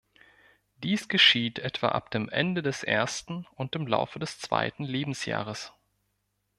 Dies geschieht etwa ab dem Ende des ersten und im Laufe des zweiten Lebensjahres.